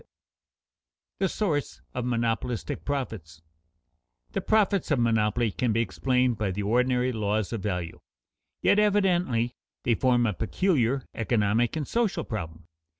[Sidenote: The source of monopolistic profits] The profits of monopoly can be explained by the ordinary laws of value, yet evidently they form a peculiar economic and social problem.